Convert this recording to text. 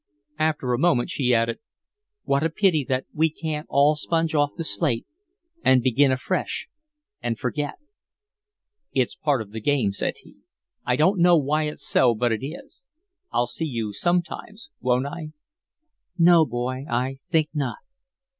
After a moment, she added, "What a pity that we can't all sponge off the slate and begin afresh and forget." "It's part of the game," said he. "I don't know why it's so, but it is. I'll see you sometimes, won't I?" "No, boy I think not."